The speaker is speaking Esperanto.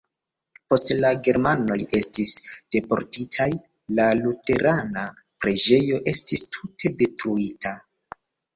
Poste la germanoj estis deportitaj, la luterana preĝejo estis tute detruita.